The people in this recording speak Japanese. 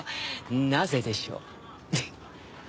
なぜでしょう？